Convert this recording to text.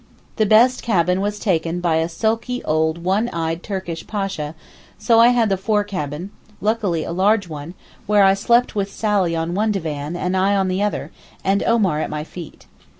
The best cabin was taken by a sulky old one eyed Turkish Pasha, so I had the fore cabin, luckily a large one, where I slept with Sally on one divan and I on the other, and Omar at my feet.